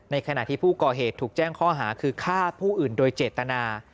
ขณะที่ผู้ก่อเหตุถูกแจ้งข้อหาคือฆ่าผู้อื่นโดยเจตนา